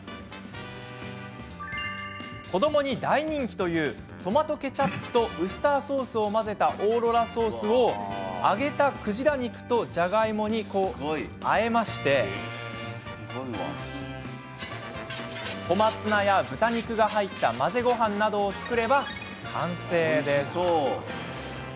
子どもに大人気というトマトケチャップとウスターソースを混ぜたオーロラソースを揚げた鯨肉とじゃがいもにあえ小松菜や豚肉が入った混ぜごはんなどを作れば完成。